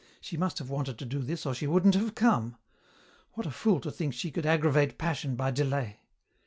She must have wanted to do this or she wouldn't have come. What a fool to think she could aggravate passion by delay.